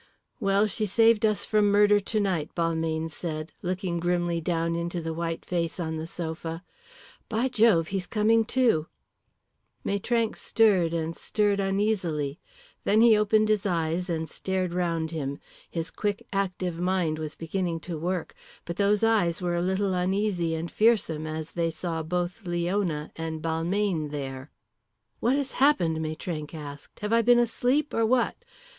"Well, she saved us from murder tonight," Balmayne said, looking grimly down into the white face on the sofa. "By Jove, he's coming to!" Maitrank stirred and stirred uneasily. Then he opened his eyes and stared round him. His quick, active mind was beginning to work. But those eyes were a little uneasy and fearsome as they saw both Leona and Balmayne there. "What has happened?" Maitrank asked. "Have I been asleep or what?